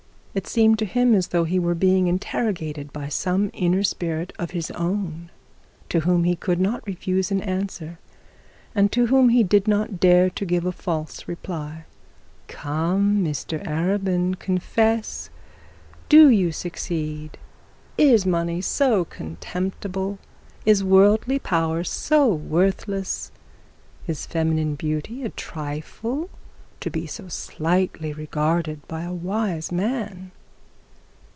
It seemed to him as though he were being interrogated by some inner spirit of his own, to whom he could not refuse an answer, and to whom he did not dare to give a false reply. 'Come, Mr Arabin, confess; do you succeed? Is money so contemptible? Is worldly power so worthless? Is feminine beauty a trifle to be so slightly regarded by a wise man?'